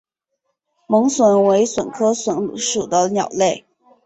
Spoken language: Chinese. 猛隼为隼科隼属的鸟类。